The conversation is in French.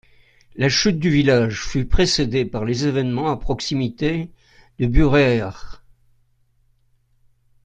La chute du village fut précédée par les événements à proximité de Burayr.